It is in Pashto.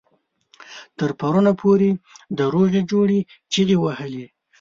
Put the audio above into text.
تر پرونه پورې د روغې جوړې چيغې وهلې.